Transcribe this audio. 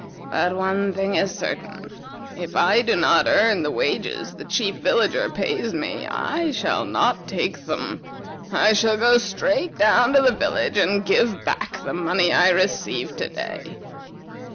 But one thing is certain, if I do not earn the wages the Chief Villager pays me, I shall not take them. I shall go straight down to the village and give back the money I received to day."